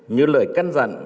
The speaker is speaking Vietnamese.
như lời căn dặn